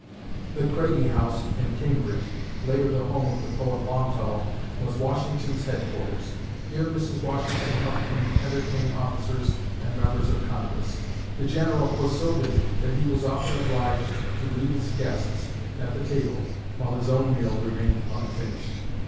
The Craigie house in Cambridge (later the home of the poet Longfellow), was Washington's headquarters. Here Mrs. Washington helped him entertain officers and members of Congress. The General was so busy that he was often obliged to leave his guests at the table, while his own meal remained unfinished.